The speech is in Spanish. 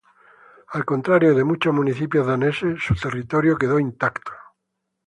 Al contrario de muchos municipios daneses, su territorio quedó intacto.